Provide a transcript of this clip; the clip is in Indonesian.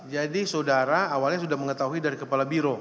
jadi saudara awalnya sudah mengetahui dari kepala biro